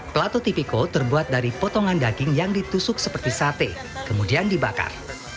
plato tipiko terbuat dari potongan daging yang ditusuk seperti sate kemudian dibakar